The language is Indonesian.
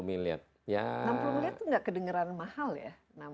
enam puluh miliar itu nggak kedengeran mahal ya